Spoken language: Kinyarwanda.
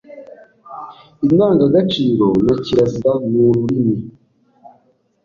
indangagaciro na kirazira n’ururimi